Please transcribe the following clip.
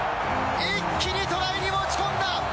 一気にトライに持ち込んだ！